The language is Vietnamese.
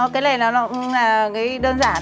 cái này nó cũng đơn giản